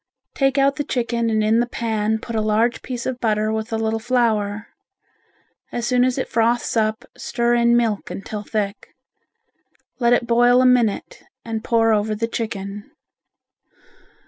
Take out the chicken and in the pan put a large piece of butter with a little flour. As soon as it froths up stir in milk until thick. Let it boil a minute and pour over the chicken.